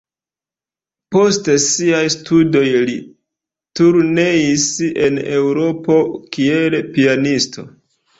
Post siaj studoj li turneis en Eŭropo kiel pianisto.